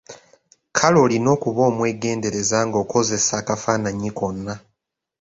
Kale olina okuba omwegendereza ng'okozesa akafaananyi konna.